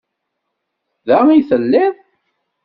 Da i telliḍ?